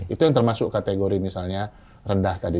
itu yang termasuk kategori misalnya rendah tadi